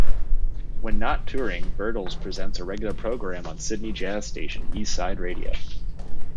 When not touring, Bertles presents a regular program on Sydney jazz station Eastside Radio.